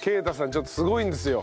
ちょっとすごいんですよ。